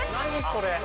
これ。